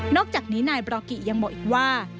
อกจากนี้นายบรากิยังบอกอีกว่า